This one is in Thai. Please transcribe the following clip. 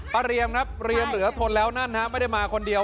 เรียมครับเรียนเหลือทนแล้วนั่นฮะไม่ได้มาคนเดียว